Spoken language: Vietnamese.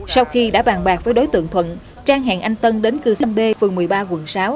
sau khi đã bàn bạc với đối tượng thuận trang hẹn anh tân đến cư sinh b phường một mươi ba quận sáu